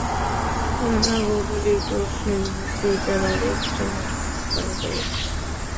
আমরা Google, YouTube, Facebook, Twitter আর ইন্সটাগ্রামও স্ক্যান করেছি।